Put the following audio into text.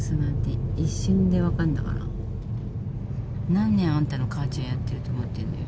何年あんたの母ちゃんやってると思ってんのよ。